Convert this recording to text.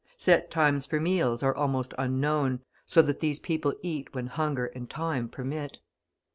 Set times for meals are almost unknown, so that these people eat when hunger and time permit.